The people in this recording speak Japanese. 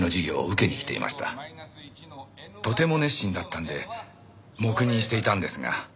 とても熱心だったんで黙認していたんですが。